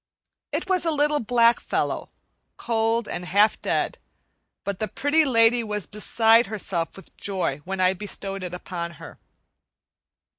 It was a little black fellow, cold and half dead; but the Pretty Lady was beside herself with joy when I bestowed it upon her.